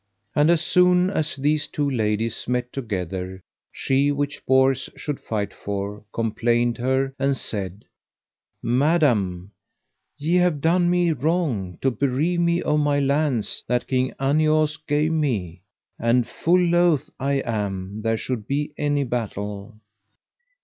And as soon as these two ladies met together, she which Bors should fight for complained her, and said: Madam, ye have done me wrong to bereave me of my lands that King Aniause gave me, and full loath I am there should be any battle.